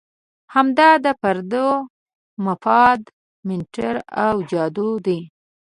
همدا د پردو مفاد منتر او جادو دی.